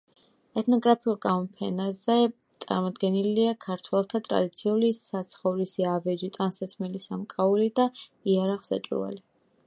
ეთნოგრაფიული გამოფენაზე წარმოდგენილია ქართველთა ტრადიციული საცხოვრისი, ავეჯი, ტანსაცმელი, სამკაული და იარაღ-საჭურველი.